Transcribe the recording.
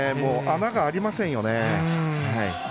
穴がありませんよね。